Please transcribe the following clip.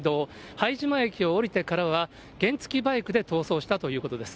拝島駅を降りてからは、原付きバイクで逃走したということです。